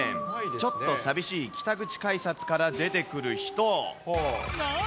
ちょっと寂しい北口改札から出てくる人。